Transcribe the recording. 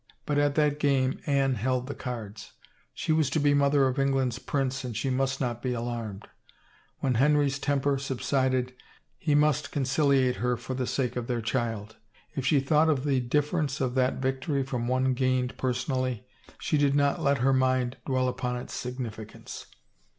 But at that game Anne held the cards. She was to be mother of England's prince and she must not be alarmed. When Henry's temper subsided he must con ciliate her for the sake of their child. If she thought of the difference of that victory from one gained per sonally, she did not let her mind dwell upon its signifi cance.